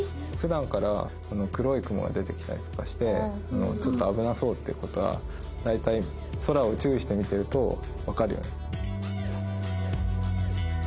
ふだんからこの黒い雲が出てきたりとかしてちょっと危なさそうっていう事は大体空を注意して見ていると分かるよね。